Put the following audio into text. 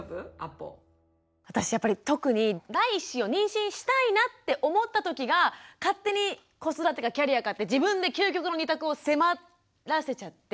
私やっぱり特に第１子を妊娠したいなって思った時が勝手に子育てかキャリアかって自分で究極の２択を迫らせちゃって。